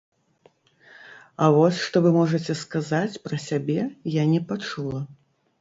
А вось што вы можаце сказаць пра сябе, я не пачула.